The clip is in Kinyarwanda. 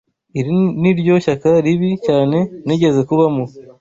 Iri niryo shyaka ribi cyane nigeze kubamo.